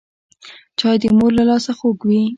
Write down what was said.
چای د مور له لاسه خوږ وي